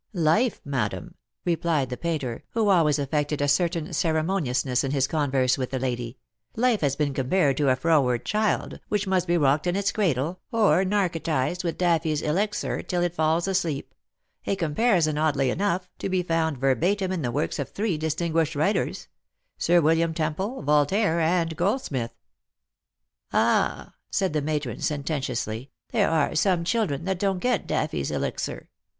" Life, madam," replied the painter, who always affected a certain ceremoniousness in his converse with the lady, — "life has been compared to a froward child, which must be rocked in its cradle, or narcotised with Daffy's Elixir till it falls asleep; a comparison, oddly enough, to be found verbatim in the works of three distinguished writers — Sir "William Temple, Yoltaire, and Goldsmith." " Ah," said the matron sententiously, " there are some chil dren that don't get Daffy's Elixir.